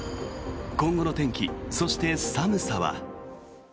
今後の天気そして、寒さは。